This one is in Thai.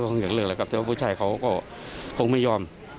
แต่ว่าผู้ชายเขาก็คงไม่ยอม